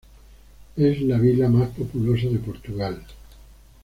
Es la vila más populosa de Portugal.